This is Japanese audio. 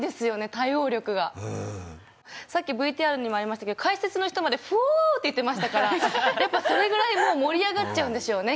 対応力がさっきＶＴＲにもありましたけど解説の人まで「フー！」って言ってましたからそれぐらい盛り上がっちゃうんでしょうね